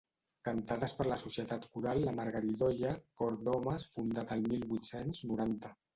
Cantades per la Societat coral La Margaridoia, cor d'homes fundat al mil vuit-cents noranta.